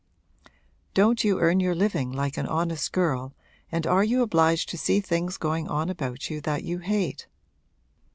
Don't you earn your living like an honest girl and are you obliged to see things going on about you that you hate?'